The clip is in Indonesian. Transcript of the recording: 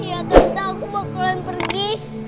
iya tante aku mau ke luar pergi